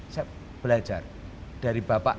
saya belajar dari bapak